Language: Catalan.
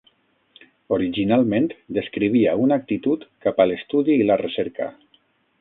Originalment, descrivia una actitud cap a l'estudi i la recerca.